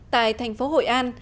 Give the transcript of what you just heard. tại thành phố hội an